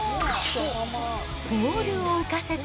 ボールを浮かせて、